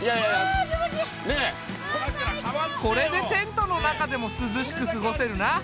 これでテントの中でも涼しく過ごせるな。